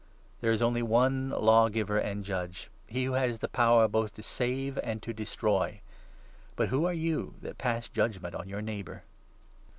There is only one Lawgiver and Judge — he who 12 has the power both to save and to destroy. But who are you that pass judgement on your neighbour?